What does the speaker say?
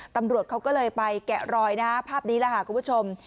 ตำรวจเขาก็เลยไปแกะรอยนะภาพนี้แหละค่ะคุณผู้ชม